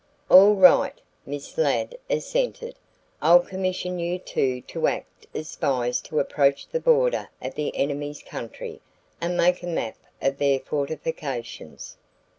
"All right," Miss Ladd assented. "I'll commission you two to act as spies to approach the border of the enemy's country and make a map of their fortifications.